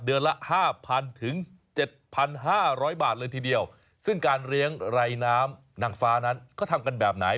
เดือนละ๕๐๐๐ถึง๗๕๐๐บาทเลยทีเดียวซึ่งการเรียงไร้น้ำนางฟ้านั้นก็ทำกันแบบไหน